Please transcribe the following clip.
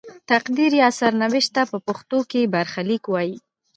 تقدیر یا سرنوشت ته په پښتو کې برخلیک وايي.